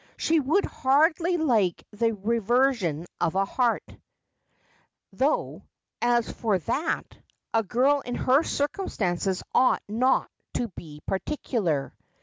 She would hardly like the reversion of a heart ; though, as for that, a girl in her circum stances ought not to be particular.'